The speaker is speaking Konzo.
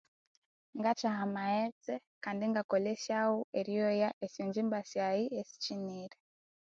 Ngatheha amaghetse Kandi ingakolesyagho eryoya esyongyimba syayi esikyinire